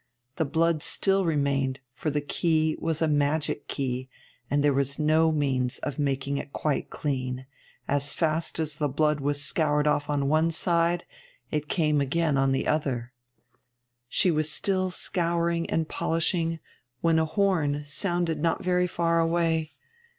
The blood still remained, for the key was a magic key, and there was no means of making it quite clean; as fast as the blood was scoured off one side it came again on the other. She was still scouring and polishing, when a horn sounded not very far away.